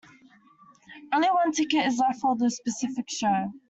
Only one ticket is left for the specific show.